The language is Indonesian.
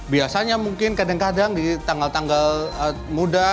biasanya mungkin kadang kadang di tanggal tanggal muda